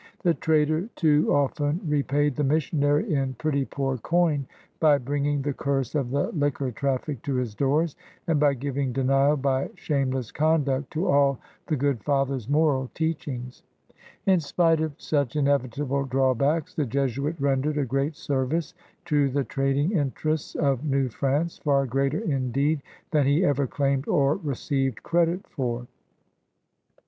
The trader too often repaid the missionary in pretty poor coin by bringing the curse of the liquor traffic to his doors, and by giving denial by shame less conduct to all the good father's moral teach ings. In spite of such inevitable drawbacks, the Jesuit rendered a great service to the trading 158 CRUSADERS OF NEW FRANCE interests of New France, far greater indeed than he ever claimed or received credit for.